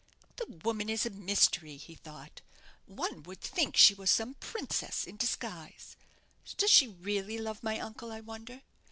"The woman is a mystery," he thought; "one would think she were some princess in disguise. Does she really love my uncle, I wonder?